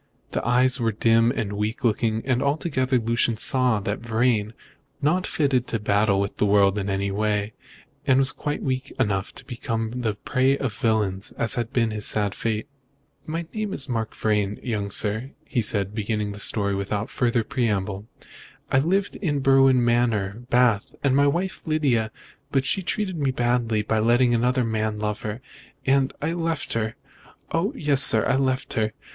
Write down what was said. The eyes were dim and weak looking, and altogether Lucian saw that Vrain was not fitted to battle with the world in any way, and quite weak enough to become the prey of villains, as had been his sad fate. "My name is Mark Vrain, young sir," said he, beginning his story without further preamble. "I lived in Berwin Manor, Bath, with my wife Lydia, but she treated me badly by letting another man love her, and I left her. Oh, yes, sir, I left her.